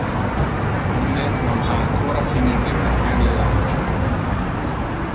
Ille non ha ancora finite facer le lunch.